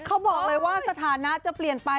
เขาบอกเลยว่าสถานะจะเปลี่ยนไป